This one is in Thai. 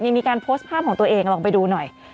มีการโพสต์ภาพของตัวเองลองไปดูหน่อย